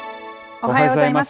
おはようございます。